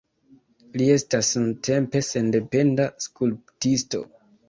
Li estas nuntempe sendependa skulptisto.